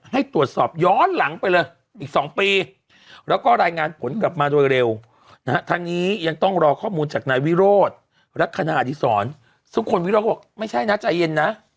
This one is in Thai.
ให้ตรวจสอบย้อนหลังไปเลยอีก๒ปีแล้วก็รายงานผลกลับมาโดยเร็วนะฮะทางนี้ยังต้องรอข้อมูลจากนายวิโรธลักษณะอดีศรซึ่งคุณวิโรธบอกไม่ใช่นะใจเย็นนะ